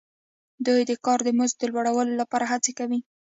دوی د کار د مزد د لوړوالي لپاره هڅې کوي